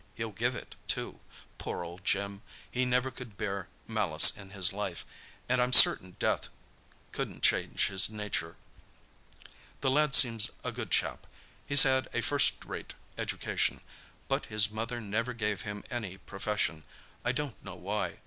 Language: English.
He'll give it, too—poor old Jim. He could never bear malice in his life, and I'm certain death couldn't change his nature. The lad seems a good chap; he's had a first rate education. But his mother never gave him any profession; I don't know why.